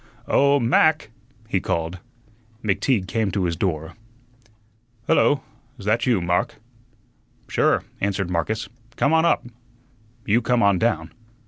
"Oh, Mac!" he called. McTeague came to his door. "Hullo! 'sthat you, Mark?" "Sure," answered Marcus. "Come on up." "You come on down."